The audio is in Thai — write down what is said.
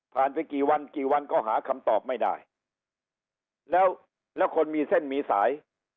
ไปกี่วันกี่วันก็หาคำตอบไม่ได้แล้วแล้วคนมีเส้นมีสาย